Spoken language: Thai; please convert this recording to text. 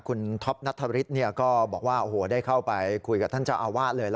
คุณท็อปนัทธริสก็บอกว่าโอ้โหได้เข้าไปคุยกับท่านเจ้าอาวาสเลย